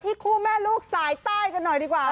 คู่แม่ลูกสายใต้กันหน่อยดีกว่า